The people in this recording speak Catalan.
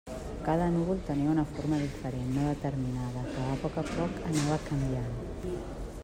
Cada núvol tenia una forma diferent, no determinada, que, a poc a poc, anava canviant.